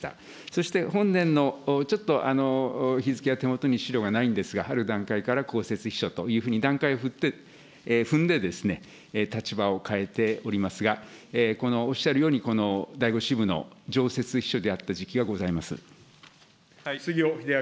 そして本年の、ちょっと日付は手元に資料がないんですが、ある段階から公設秘書というふうに、段階を踏んで立場を変えておりますが、おっしゃるように、第５支部の常設秘書であった時期がございます。